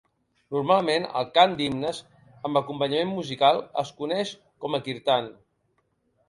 Normalment, el cant d'himnes amb acompanyament musical es coneix com a "Kirtan".